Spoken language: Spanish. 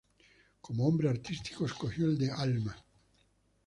Como nombre artístico escogió el de Alma.